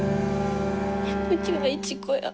うちは市子や。